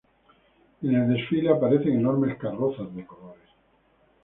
En el desfile aparecen enormes carrozas de colores.